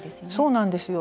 そうなんですよ。